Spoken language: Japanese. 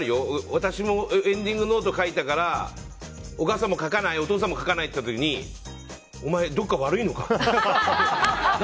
私もエンディングノート書いたからお母さん、お父さんも書かない？って言った時にお前、どっか悪いのか？